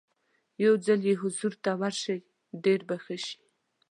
یو ځل یې حضور ته ورشئ ډېر به ښه شي.